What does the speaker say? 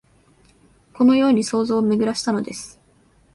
このように想像をめぐらしたのです